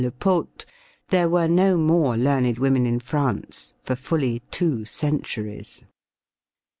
Lepaute, there were no more learned women in France for fully two centuries.